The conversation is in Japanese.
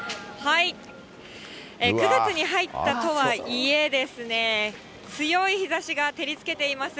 ９月に入ったとはいえ、強い日ざしが照りつけています。